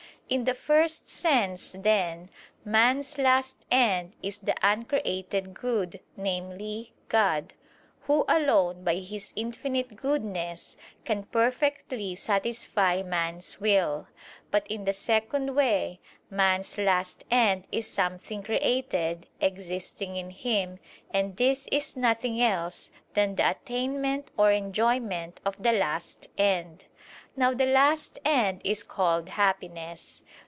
In the first sense, then, man's last end is the uncreated good, namely, God, Who alone by His infinite goodness can perfectly satisfy man's will. But in the second way, man's last end is something created, existing in him, and this is nothing else than the attainment or enjoyment of the last end. Now the last end is called happiness.